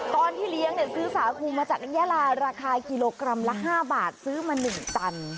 ตอนที่เลี้ยงซื้อสาคูมาจากน้องยาลาราคากิโลกรัมละ๕บาทซื้อมา๑ตัน